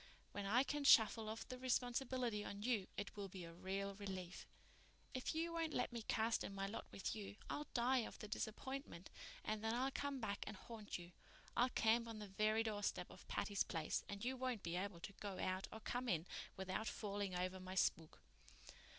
When I can shuffle off the responsibility on you it will be a real relief. If you won't let me cast in my lot with you I'll die of the disappointment and then I'll come back and haunt you. I'll camp on the very doorstep of Patty's Place and you won't be able to go out or come in without falling over my spook."